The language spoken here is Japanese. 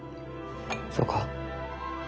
そうか。